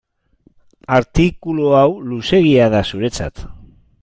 Artikulu hau luzeegia da zuretzat.